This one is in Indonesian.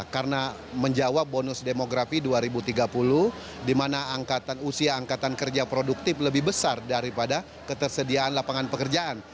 karena menjawab bonus demografi dua ribu tiga puluh di mana angkatan usia angkatan kerja produktif lebih besar daripada ketersediaan lapangan pekerjaan